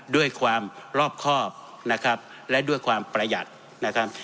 ด้วยความรอบครอบนะครับและด้วยความประหยัดนะครับ